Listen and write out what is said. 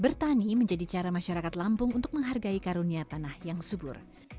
bertani menjadi cara masyarakat lampung untuk menghargai karunia tanah yang subur